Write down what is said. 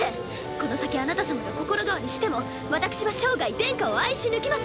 この先あなた様が心変わりしても私は生涯殿下を愛し抜きます！